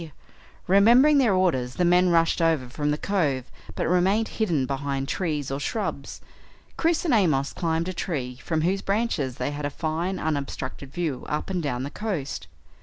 Remembering their orders the men rushed over from the cove but remained hidden behind trees or shrubs. Chris and Amos climbed a tree from whose branches they had a fine unobstructed view up and down the coast.